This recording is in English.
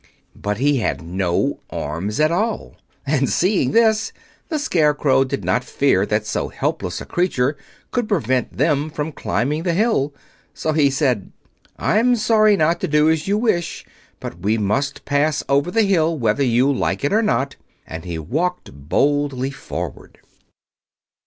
But he had no arms at all, and, seeing this, the Scarecrow did not fear that so helpless a creature could prevent them from climbing the hill. So he said, "I'm sorry not to do as you wish, but we must pass over your hill whether you like it or not," and he walked boldly forward.